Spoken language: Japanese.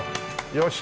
よし！